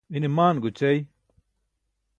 ine maan goćai